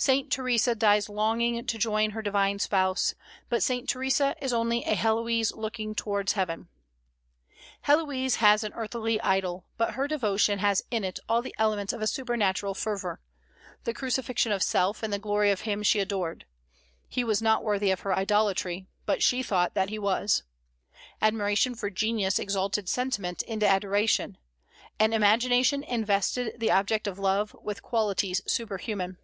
"Saint Theresa dies longing to join her divine spouse; but Saint Theresa is only a Héloïse looking towards heaven." Héloïse has an earthly idol; but her devotion has in it all the elements of a supernatural fervor, the crucifixion of self in the glory of him she adored. He was not worthy of her idolatry; but she thought that he was. Admiration for genius exalted sentiment into adoration, and imagination invested the object of love with qualities superhuman.